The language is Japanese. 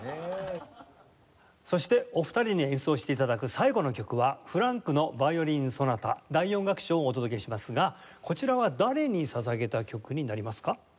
そしてお二人に演奏して頂く最後の曲はフランクの『ヴァイオリン・ソナタ』第４楽章をお届けしますがこちらは誰に捧げた曲になりますか？